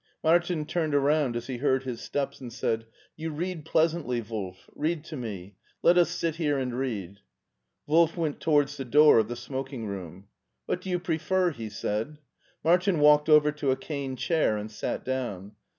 Martin turned around as he heard his steps, and said: "You read pleasantly. Wolf; read to me. Let us sit here and read. Wolf went towards the door of the smoking room* " What do you prefer? '* he said. Martin walked over to a cane chair and sat down.